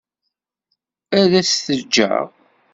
Ad s-t-ǧǧeɣ.